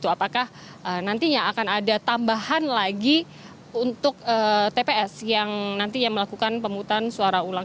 apakah nantinya akan ada tambahan lagi untuk tps yang nantinya melakukan pemutusan suara ulang